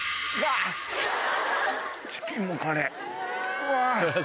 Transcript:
うわ！